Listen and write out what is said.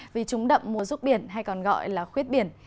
vì chúng đậm mùa ruốc biển hay còn gọi là khuyết biển